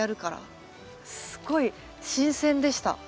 すごい新鮮でした。